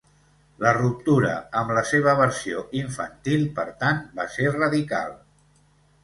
La ruptura amb la seva versió infantil, per tant, va ser radical.